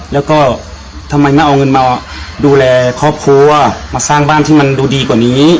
แล้วก็ทำไมไม่เอาเงินมาดูแลครอบครัวมาสร้างบ้านที่มันดูดีกว่านี้